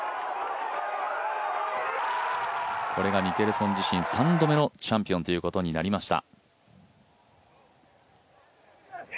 これがミケルソン自身３度目のチャンピオンということになりました。